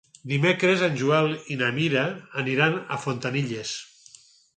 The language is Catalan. Dimecres en Joel i na Mira aniran a Fontanilles.